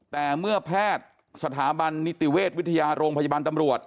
แต่เมื่อแพทย์สถาบันนิติเวชวิทยาโรงพยาบาลตำรวจ